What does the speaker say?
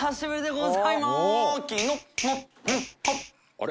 あれ？